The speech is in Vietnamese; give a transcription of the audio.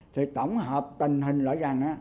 thì tổng hợp tình hình lợi dạng